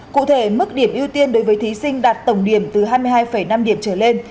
cụ thể mức điểm ưu tiên đối với thí sinh đạt tổng điểm từ hai mươi hai năm điểm trở lên